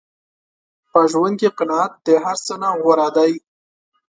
په ژوند کې قناعت د هر څه نه غوره دی.